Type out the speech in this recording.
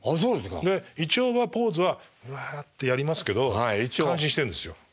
で一応はポーズはうわってやりますけど感心してるんですよ。